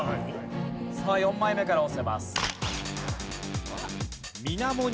さあ４枚目から押せます。